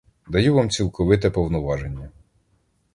Даю вам цілковите повноваження.